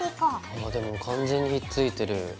ああでも完全にひっついてる。